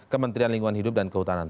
kementerian lingkungan hidup dan kehutanan